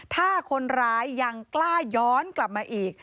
ถ้าคนร้ายยังกล้าย้อนกลับมาอีก